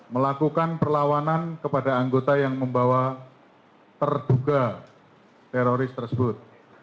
melakukan perlawanan kepada anggota yang membawa terduga teroris tersebut